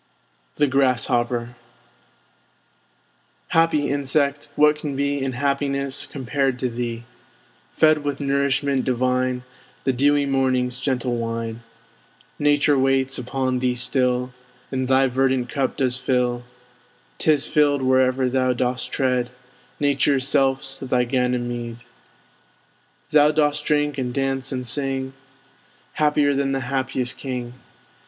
THE GRASSHOPPER Happy Insect! what can be In happiness compared to thee? Fed with nourishment divine, The dewy Morning's gentle wine! Nature waits upon thee still, And thy verdant cup does fill; 'Tis filled wherever thou dost tread, Nature's self's thy Ganymede. Thou dost drink, and dance, and sing; Happier than the happiest king!